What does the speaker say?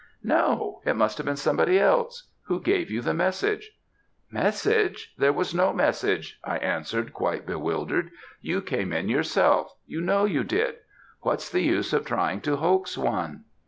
"'No; it must have been somebody else. Who gave you the message?' "'Message! there was no message,' I answered, quite bewildered. 'You came in yourself you know you did. What's the use of trying to hoax one?'